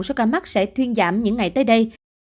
số ca mắc sẽ thuyên giảm những ngày tới đây